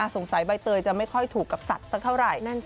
สงสัยใบเตยจะไม่ค่อยถูกกับสัตว์เท่าไหร่